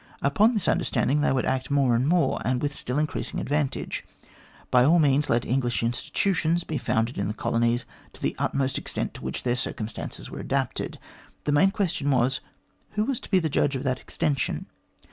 Upon this understanding they would act more and more, and with still increasing advantage. By all means, let English institutions be founded in the colonies to the utmost extent to which their circumstances were adapted. The main question was, Who was to be the judge of that extension